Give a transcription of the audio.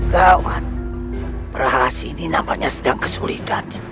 kawan rahasi ini nampaknya sedang kesulitan